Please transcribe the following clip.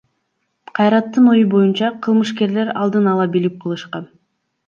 Кайраттын ою боюнча, кылмышкерлер алдын ала билип иш кылышкан.